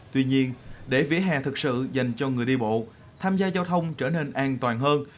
tuy nhiên để vỉa hè thực sự dành cho người đi bộ tham gia giao thông trở nên an toàn hơn